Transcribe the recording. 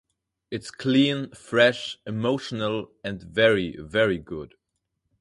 It's clean, fresh, emotional and very, very good.